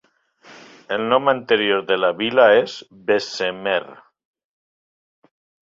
El nom anterior de la vila és Bessemer.